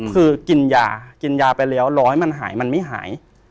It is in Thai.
คือกินยาไปแล้วรอยมันหาย